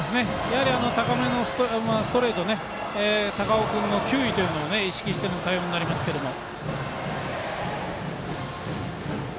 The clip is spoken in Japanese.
高めのストレート高尾君の球威というのを意識しての対応になりますけども。